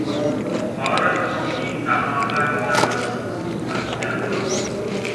horror killing का मामला निकला खुशबू हत्याकांड